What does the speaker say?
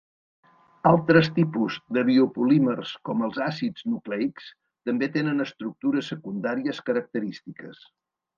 Altres tipus de biopolímers com els àcids nucleics també tenen estructures secundàries característiques.